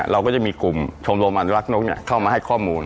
เราก็จะมีกลุ่มชมรมอนุรักษ์นกเข้ามาให้ข้อมูล